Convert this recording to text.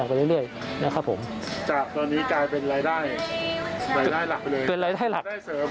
รายได้หลักเลยเป็นรายได้เสริมนะครับเป็นรายได้หลัก